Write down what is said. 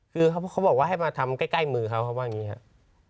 คือเขาบอกว่าให้มาทำใกล้มือเขาเขาว่าอย่างนี้ครับ